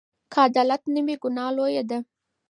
که عدالت نه وي، ګناه لویه ده.